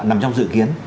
nằm trong dự kiến